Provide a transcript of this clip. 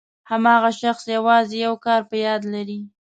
هماغه شخص یوازې یو کار په یاد لري.